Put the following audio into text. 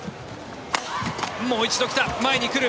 もう一度、来た前に来る。